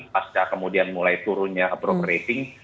pasca kemudian mulai turunnya approach rating